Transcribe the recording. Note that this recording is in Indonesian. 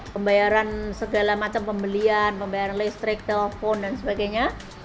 pembayaran segala macam pembelian pembayaran listrik telpon dan sebagainya